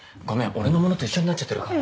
俺の物と一緒になっちゃってるかも。